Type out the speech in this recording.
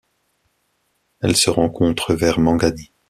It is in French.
Elle se rencontre vers Mangani.